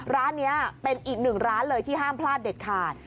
ร้านนี้เป็นอีกหนึ่งร้านเลยที่ห้ามพลาดเด็ดขาด